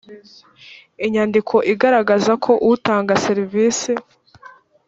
inyandiko igaragaza ko utanga serivisi